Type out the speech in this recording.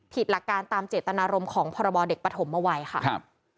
ผิดหลักการตามเจตนารมณ์ของพรบเด็กปฐมมาวัยค่ะ